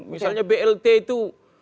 misalnya blt itu